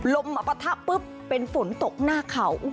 ลมมาปะทะปุ๊บเป็นฝนตกหน้าเขา